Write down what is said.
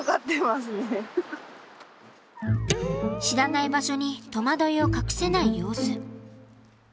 知らない場所に戸惑いを隠せない様子。